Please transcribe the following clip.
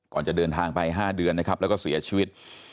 ก่อนจะเดินทางไป๕เดือนแล้วก็เสียชีวิต